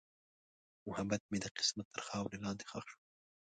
محبت مې د قسمت تر خاورو لاندې ښخ شو.